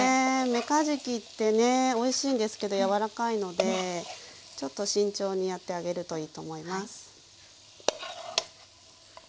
めかじきってねおいしいんですけど柔らかいのでちょっと慎重にやってあげるといいと思います。